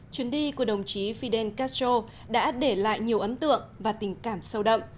chuyến đi của đồng chí fidel castro đã để lại nhiều ấn tượng và tình cảm sâu đậm